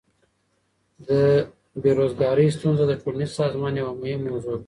د بیروزګاری ستونزه د ټولنیز سازمان یوه مهمه موضوع ده.